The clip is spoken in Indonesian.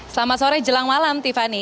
selamat sore jelang malam tiffany